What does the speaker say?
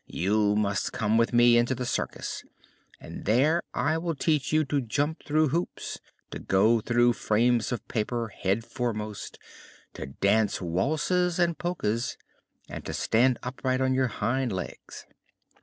you must come with me into the circus, and there I will teach you to jump through hoops, to go through frames of paper head foremost, to dance waltzes and polkas, and to stand upright on your hind legs."